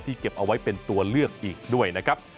เก็บเอาไว้เป็นตัวเลือกอีกด้วยนะครับ